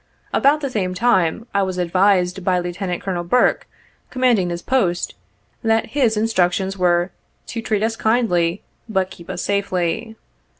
About the same time I was advised by Lieutenant Colonel Burke, commanding this post, that his instruc tions were ' to treat us kindly, but keep us safely.'